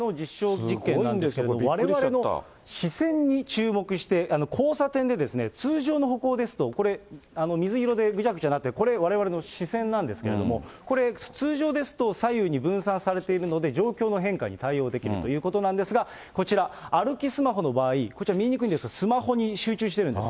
すごいんですよ、びっくりしわれわれの視線に注目して、交差点で、通常の歩行ですと、これ、水色でぐちゃぐちゃになってる、これ、われわれの視線なんですけれども、これ、通常ですと、左右に分散されているのが、状況の変化に対応できるということなんですが、こちら、歩きスマホの場合、こちら、見えにくいんですが、スマホに集中してるんです。